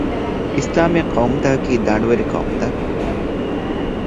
އިސްލާމީ ޤައުމުތަކަކީ ދަނޑުވެރި ޤައުމުތައް